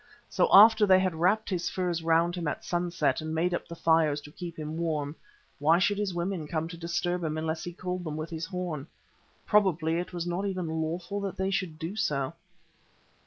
So after they had wrapped his furs round him at sunset and made up the fires to keep him warm, why should his women come to disturb him unless he called them with his horn? Probably it was not even lawful that they should do so.